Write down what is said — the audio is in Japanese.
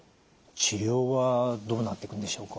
治療はどうなっていくんでしょうか？